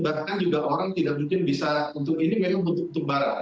bahkan juga orang tidak mungkin bisa untuk ini mirip untuk barang